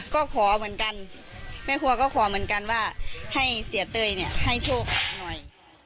ก็ขอเหมือนกันแม่ครัวก็ขอเหมือนกันว่าให้เสียเต้ยเนี่ยให้โชคหน่อย